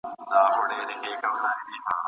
هغه د جګړې په ډګر کې هیڅکله له خطر نه وېرېد.